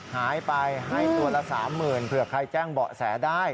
หายไปให้ตัวละ๓๐๐๐เผื่อใครแจ้งเบาะแสได้